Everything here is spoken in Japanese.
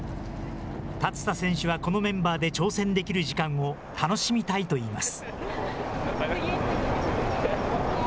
立田選手は、このメンバーで挑戦できる時間を楽しみたいといいます。